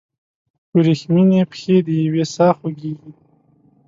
وریښمینې پښې دیوې ساه خوږیږي